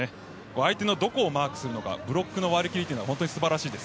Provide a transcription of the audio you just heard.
相手のどこをマークするのかブロックの割り切りが素晴らしいです。